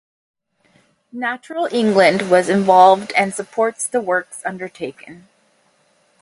Natural England was involved and supports the works undertaken.